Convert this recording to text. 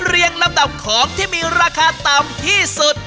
เรียงลำดับของที่มีราคาต่ำที่สุด